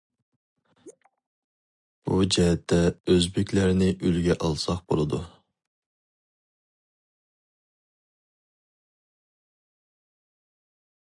بۇ جەھەتتە ئۆزبېكلەرنى ئۈلگە ئالساق بولىدۇ.